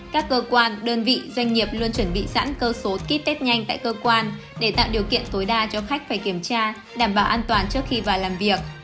các cơ quan đơn vị doanh nghiệp luôn chuẩn bị sẵn cơ số ký test nhanh tại cơ quan để tạo điều kiện tối đa cho khách phải kiểm tra đảm bảo an toàn trước khi vào làm việc